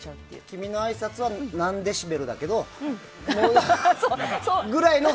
君のあいさつは何デシベルだけどみたいな。